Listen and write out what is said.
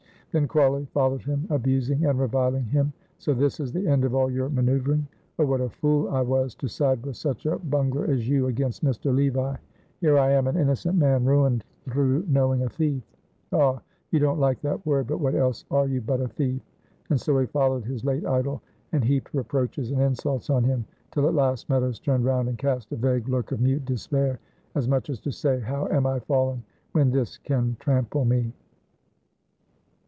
Then Crawley followed him, abusing and reviling him. "So this is the end of all your maneuvering! Oh, what a fool I was to side with such a bungler as you against Mr. Levi. Here am I, an innocent man, ruined through knowing a thief ah! you don't like that word, but what else are you but a thief?" and so he followed his late idol and heaped reproaches and insults on him, till at last Meadows turned round and cast a vague look of mute despair, as much as to say, "How am I fallen, when this can trample me!"